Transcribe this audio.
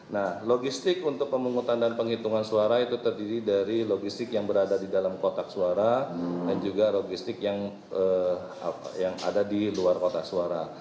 nah logistik untuk pemungutan dan penghitungan suara itu terdiri dari logistik yang berada di dalam kotak suara dan juga logistik yang ada di luar kotak suara